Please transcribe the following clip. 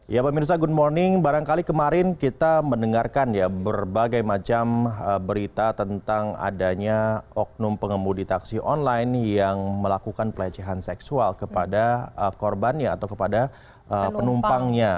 ya pemirsa good morning barangkali kemarin kita mendengarkan ya berbagai macam berita tentang adanya oknum pengemudi taksi online yang melakukan pelecehan seksual kepada korbannya atau kepada penumpangnya